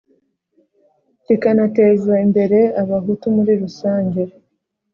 kikanateza imbere abahutu muri rusange